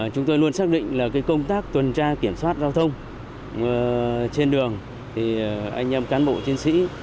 chúng tôi luôn xác định là công tác tuần tra kiểm soát giao thông trên đường thì anh em cán bộ chiến sĩ